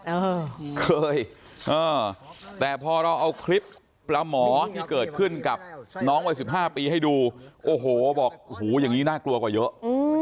เออเคยเออแต่พอเราเอาคลิปปลาหมอที่เกิดขึ้นกับน้องวัยสิบห้าปีให้ดูโอ้โหบอกหูอย่างนี้น่ากลัวกว่าเยอะ